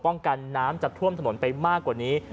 กันน้ำจะท่วมถนนไปมากกว่านี้